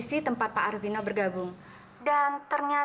sampai jumpa di video selanjutnya